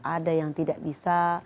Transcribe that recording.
ada yang tidak bisa